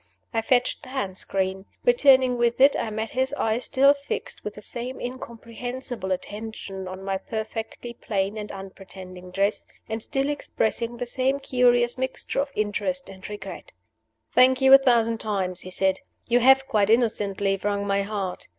I fetched the hand screen. Returning with it, I met his eyes still fixed with the same incomprehensible attention on my perfectly plain and unpretending dress, and still expressing the same curious mixture of interest and regret. "Thank you a thousand times," he said. "You have (quite innocently) wrung my heart.